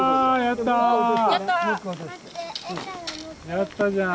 やったじゃん。